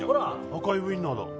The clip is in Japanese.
赤いウィンナーだ。